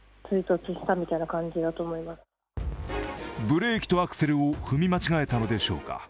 ブレーキとアクセルを踏み間違えたのでしょうか。